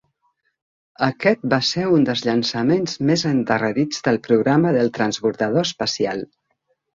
Aquest va ser un dels llançaments més endarrerits del programa del transbordador espacial.